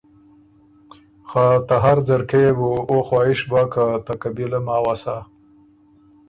خه ته هر ځرکۀ يې بو اُو خواهش بَۀ که ته قبیلۀ ماوه سَۀ